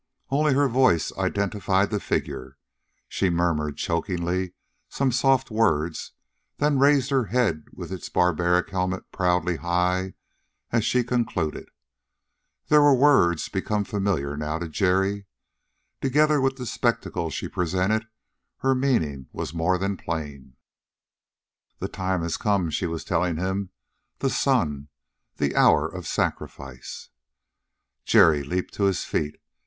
Only her voice identified the figure. She murmured chokingly some soft words, then raised her head with its barbaric helmet proudly high as she concluded. There were words become familiar now to Jerry. Together with the spectacle she presented, her meaning was more than plain. "The time has come," she was telling him. "The sun ... the hour of sacrifice." Jerry leaped to his feet.